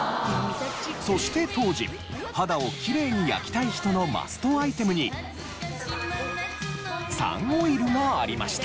そして当時肌をきれいに焼きたい人のマストアイテムにサンオイルがありました。